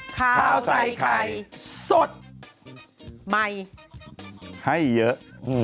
ข้าวใส่ไข่สดใหม่ให้เยอะ